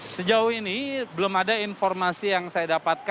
sejauh ini belum ada informasi yang saya dapatkan